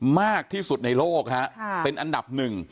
มากที่สุดในโลกนะฮะเป็นอันดับ๑